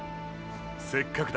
せっかくだ。